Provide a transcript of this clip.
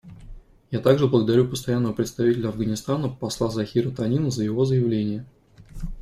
Я также благодарю Постоянного представителя Афганистана посла Захира Танина за его заявление.